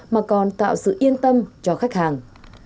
mà còn tạo sự yên tâm cho khách hàng